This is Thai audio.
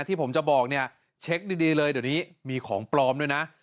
ที่ผมจะบอกเนี่ยเช็คดีเลยเดี๋ยวนี้มีของปลอมด้วยนะ